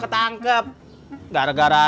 kek terhidup yang salah